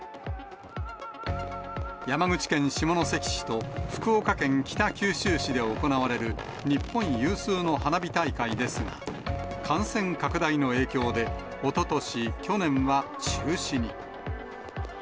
山口県下関市と福岡県北九州市で行われる、日本有数の花火大会ですが、感染拡大の影響で、おととし、去年は中止に。